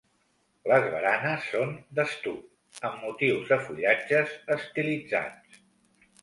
Les baranes són d'estuc amb motius de fullatges estilitzats.